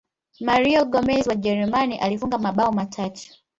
mario gomez wa ujerumani alifunga mabao matatu